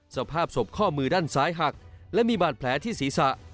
สภาพศพข้อมือด้านซ้ายหักและมีบาดแผลที่ศีรษะ